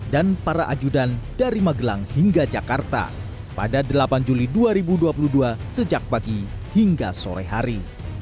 dan para ajudan dari magelang hingga jakarta pada delapan juli dua ribu dua puluh dua sejak pagi hingga sore hari